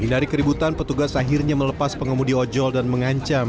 dari keributan petugas akhirnya melepas pengemudi ojol dan mengancam